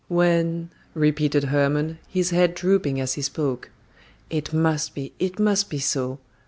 "When " repeated Hermon, his head drooping as he spoke. "It must, it must be so!"